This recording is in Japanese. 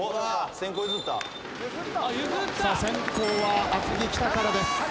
先攻は厚木北からです。